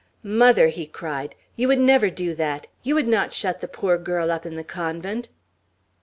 "Mother!" he cried, "you would never do that. You would not shut the poor girl up in the convent!"